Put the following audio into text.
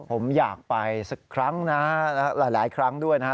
ผมอยากไปสักครั้งนะหลายครั้งด้วยนะฮะ